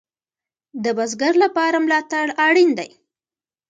د بزګر لپاره ملاتړ اړین دی